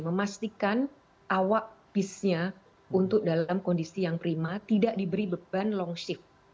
memastikan awak bisnya untuk dalam kondisi yang prima tidak diberi beban longship